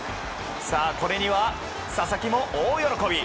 これには佐々木も大喜び。